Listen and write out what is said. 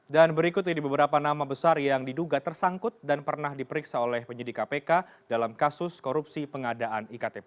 dan berikut ini beberapa nama besar yang diduga tersangkut dan pernah diperiksa oleh penyidik kpk dalam kasus korupsi pengadaan iktp